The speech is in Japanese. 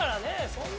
そんな。